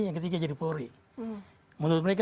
yang ketiga jadi polri menurut mereka